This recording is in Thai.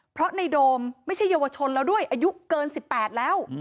เพราะในโดมไม่ใช่เยาวชนแล้วด้วยอายุเกิน๑๘แล้ว